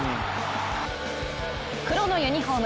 黒のユニフォーム